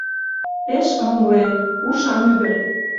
Пеш ыҥле, ушан ӱдыр.